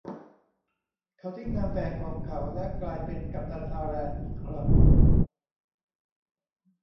เขาทิ้งนามแฝงของเขาและกลายเป็นกัปตันฮาร์แลนด์อีกครั้ง